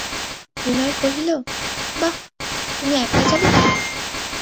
বিনয় কহিল, বাঃ, তুমি একলা যাবে কি!